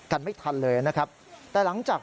กันไม่ทันเลยนะครับ